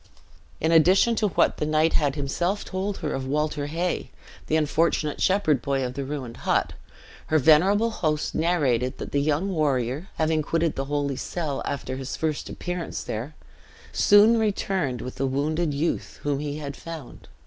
In addition to what the knight had himself told her of Walter Hay, the unfortunate shepherd boy of the ruined hut, her venerable host narrated that the young warrior having quitted the holy cell after his first appearance there, soon returned with the wounded youth, whom he had found.